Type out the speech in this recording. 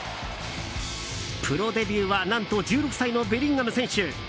プロデビューは何と１６歳のベリンガム選手。